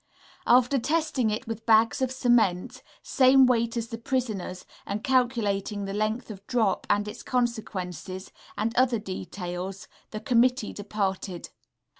After testing it with bags of cement, same weight as the prisoners, and calculating the length of drop and its consequences, and other details, the committee departed.